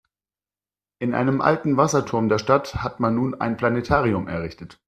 In einem alten Wasserturm der Stadt hat man nun ein Planetarium errichtet.